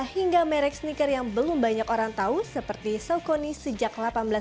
hingga merek sneaker yang belum banyak orang tahu seperti saukoni sejak seribu delapan ratus sembilan puluh